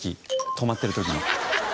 止まってる時の。